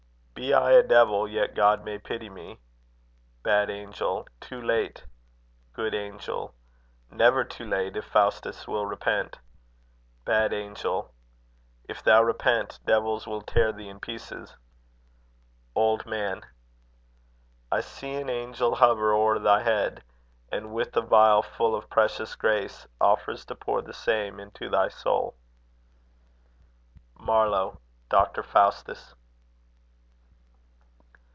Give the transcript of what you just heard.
Be I a devil, yet God may pity me. Bad Angel. Too late. Good Angel. Never too late if Faustus will repent. Bad Angel. If thou repent, devils will tear thee in pieces. Old Man. I see an angel hover o'er thy head, And with a vial full of precious grace, Offers to pour the same into thy soul. MARLOWE. Doctor Faustus.